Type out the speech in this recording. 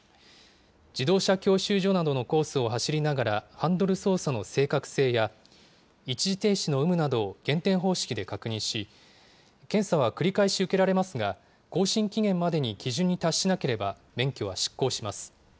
自動車教習所などのコースを走りながらハンドル操作の正確性や、一時停止の有無などを減点方式で確認し、検査は繰り返し受けられますが、更新期限までに基準に達しなければ、免許は失効します。